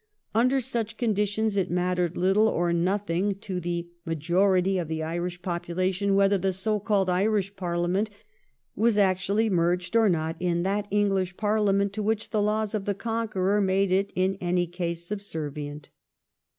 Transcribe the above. Under such conditions it mattered little or nothing to the majority of the Irish population whether the so caUed Irish Parhament was actually merged or not in that Enghsh Parliament to which the laws of the conqueror made it in any case subservient.